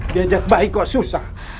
diajak baik kok susah